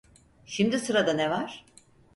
Şimdi sırada ne var?